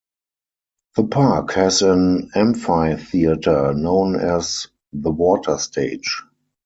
The park has an amphitheater, known as the Water Stage.